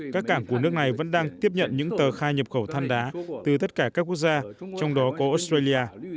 các cảng của nước này vẫn đang tiếp nhận những tờ khai nhập khẩu than đá từ tất cả các quốc gia trong đó có australia